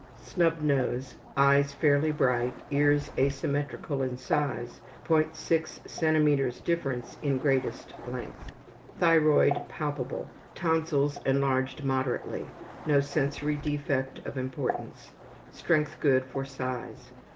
Snub nose; eyes fairly bright; ears asymmetrical in size .6 cm. difference in greatest length. Thyroid palpable. Tonsils enlarged moderately. No sensory defect of importance. Strength good for size.